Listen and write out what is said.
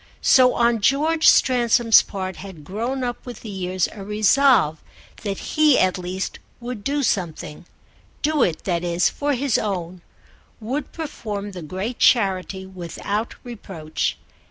So on George Stransom's part had grown up with the years a resolve that he at least would do something, do it, that is, for his own—would perform the great charity without reproach.